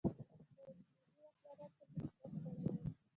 غیر بومي واکمنانو په کې حکومت کړی دی